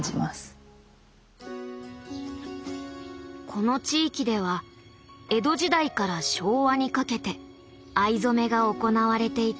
この地域では江戸時代から昭和にかけて藍染めが行われていた。